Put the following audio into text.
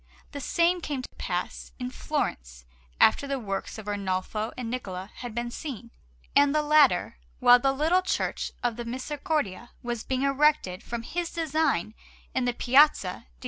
The same came to pass in Florence after the works of Arnolfo and Niccola had been seen; and the latter, while the little Church of the Misericordia was being erected from his design in the Piazza di S.